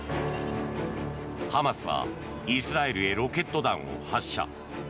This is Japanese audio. ハマスはイスラエルへロケット弾を発射。